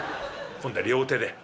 今度は両手で」。